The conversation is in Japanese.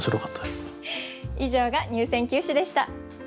以上が入選九首でした。